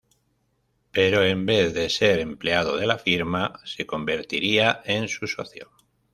Pero en vez de ser empleado de la firma, se convertiría en su socio.